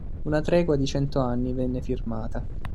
Una tregua di cento anni venne firmata.